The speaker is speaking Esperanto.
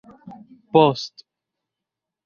post